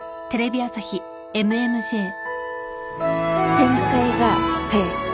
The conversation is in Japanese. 展開が早い。